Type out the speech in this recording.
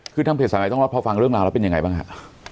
คือทางเพจสายใหม่ต้องรอดพอฟังเรื่องราวแล้วเป็นยังไงบ้างฮะ